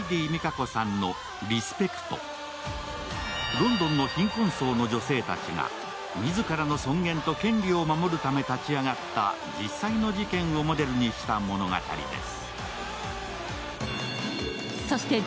ロンドンの貧困層の女性たちが自らの尊厳と権利を守るため立ち上がった実際の事件をモデルにした物語です。